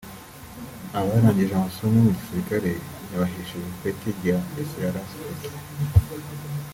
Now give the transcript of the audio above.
Abari barangije amasomo ya gisirikali yabahesheje ipeti rya S/L/ Foto